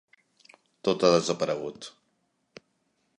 Tot ha desaparegut.